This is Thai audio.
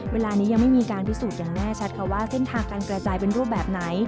เวลานี้ยังไม่มีการพิสูจน์อย่างแน่ชัดค่ะว่าเส้นทางการกระจายเป็นรูปแบบไหน